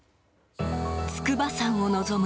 筑波山を望む